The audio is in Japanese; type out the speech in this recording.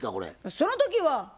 その時は。